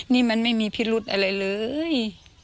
นี่มันไม่มีพิรุธอะไรเลย